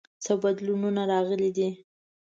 څه بدلونونه راغلي دي؟